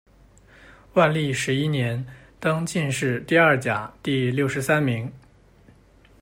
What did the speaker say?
万历十一年，登进士第二甲第六十三名。